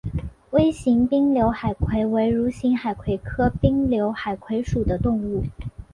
微型滨瘤海葵为蠕形海葵科滨瘤海葵属的动物。